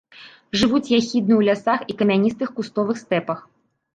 Жывуць яхідны ў лясах і камяністых кустовых стэпах.